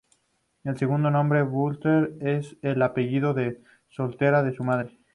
Su segundo nombre, Butler, es el apellido de soltera de su madre.